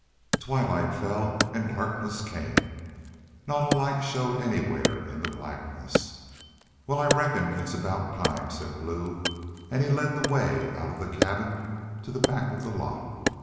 Twilight fell and darkness came. Not a light showed anywhere in the blackness. "Wal, I reckon it's aboot time," said Blue, and he led the way out of the cabin to the back of the lot.